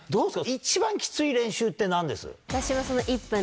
一番キツイ練習って何です？